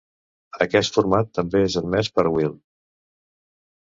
Aquest format també és admès per Wii.